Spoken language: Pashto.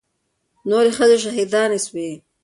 نورې ښځې شهيدانې سوې.